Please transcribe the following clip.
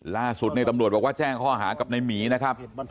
ล่าสุดเนี่ยตำรวจบอกว่าแจ้งข้อหากับในหมีนะครับ